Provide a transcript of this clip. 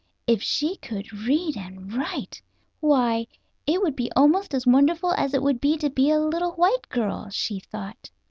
If she could read and write! Why, it would be almost as wonderful as it would to be a little white girl, she thought.